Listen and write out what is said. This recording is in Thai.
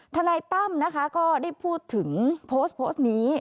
นายตั้มนะคะก็ได้พูดถึงโพสต์โพสต์นี้